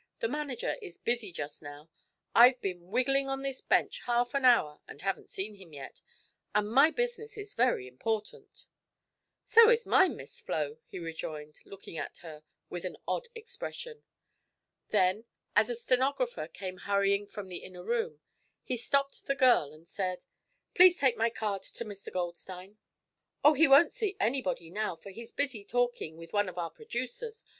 "The manager is busy just now. I've been wiggling on this bench half an hour, and haven't seen him yet and my business is very important." "So is mine, Miss Flo," he rejoined, looking at her with an odd expression. Then, as a stenographer came hurrying from the inner room, he stopped the girl and said: "Please take my card to Mr. Goldstein." "Oh, he won't see anybody now, for he's busy talking with one of our producers.